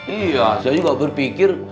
iya saya juga berpikir